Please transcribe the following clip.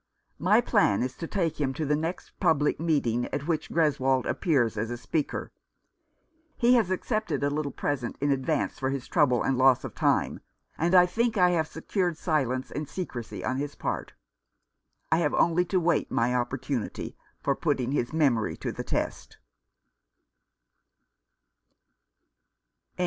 My plan is to take him to the next public meeting at which Greswold appears as a speaker. He has accepted a little present in advance for his trouble and loss of time, and I think I have secured silence and secrecy on his part. I have only to wait my opportunity for putting his memory to the test.